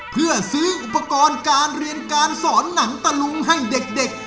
เพื่อซื้ออุปกรณ์การเรียนการสอนหนังตะลุงให้เด็ก